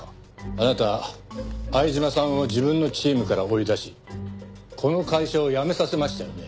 あなた相島さんを自分のチームから追い出しこの会社を辞めさせましたよね？